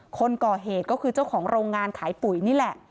คนก่อเหตุก็คือเจ้าของโรงงานขายปุ๋ยนี่แหละ